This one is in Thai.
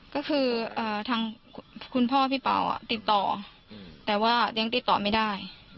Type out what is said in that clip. ก็คือทางคุณพ่อพี่เป๋าติดต่อแต่ว่ายังติดต่อไม่ได้